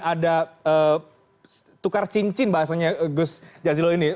ada tukar cincin bahasanya gus jazilul ini